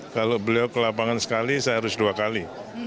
kalau beliau ke lapangan sekali saya harus dua kali